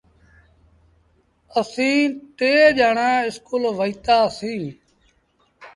اسيٚݩ ٽي ڄآڻآن اسڪول وهيتآ سيٚݩ۔